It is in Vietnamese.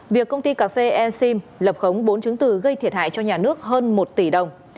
việc công ty cà phê e sim lập khống bốn chứng từ gây thiệt hại cho nhà nước hơn một tỷ đồng